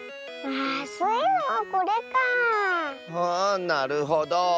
あなるほど。